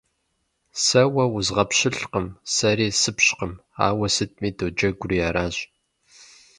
Сэ уэ узгъэпщылӀкъым, сэри сыпщкъым, ауэ сытми доджэгури аращ.